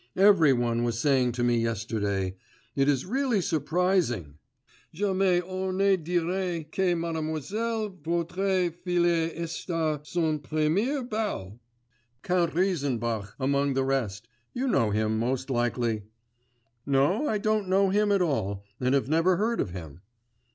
Every one was saying to me yesterday: it is really surprising! jamais on ne dirait que mademoiselle votre fille est a son premier bal. Count Reisenbach among the rest ... you know him most likely.' 'No, I don't know him at all, and have never heard of him.